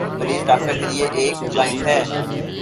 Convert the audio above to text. مریض ڈاکٹر کے لیے ایک "کلائنٹ" ہے۔